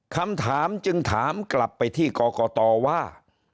คำถามจึงถามกลับไปที่กรกตว่า